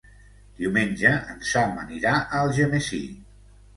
Diumenge en Sam anirà a Algemesí.